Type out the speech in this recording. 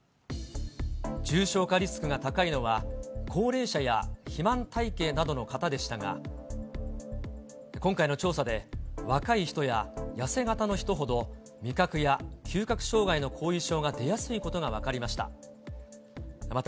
重症化リスクが高いのは、高齢者や肥満体型などの方でしたが、今回の調査で、若い人や痩せ形の人ほど、味覚や嗅覚障害の後遺症が出やすいことが分かりました。